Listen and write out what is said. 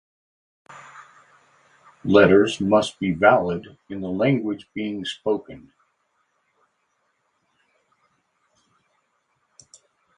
Letters must be valid in the language being spoken.